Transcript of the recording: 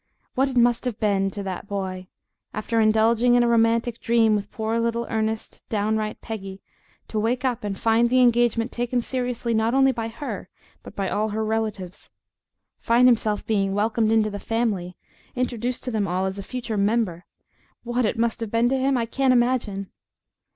What it must have been to that boy, after indulging in a romantic dream with poor little earnest, downright Peggy, to wake up and find the engagement taken seriously not only by her, but by all her relatives find himself being welcomed into the family, introduced to them all as a future member what it must have been to him I can't imagine!